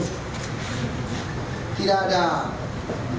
sudah jelas bahwa rantai komando di tni itu jelas sekali